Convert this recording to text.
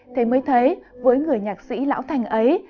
thế mới thấy với người nhạc sĩ lão thành ấy